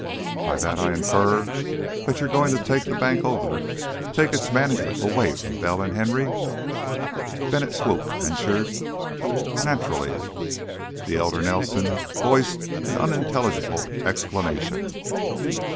"By that I infer that you're going to take the bank over take its management away from Bell and Henry?" Bennett Swope ventured. "Naturally." The elder Nelson voiced an unintelligible exclamation.